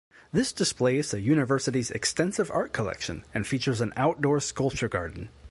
This displays the University's extensive art collection, and features an outdoor sculpture garden.